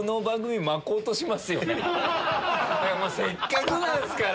せっかくなんすから！